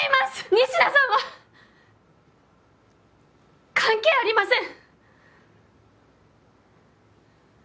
仁科さんは関係ありません！